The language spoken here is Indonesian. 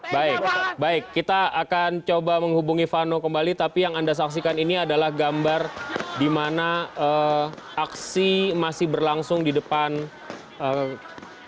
baik baik kita akan coba menghubungi vano kembali tapi yang anda saksikan ini adalah gambar di mana aksi masih berlangsung di depan gedung kpk